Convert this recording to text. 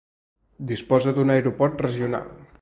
Disposa d'un aeroport regional.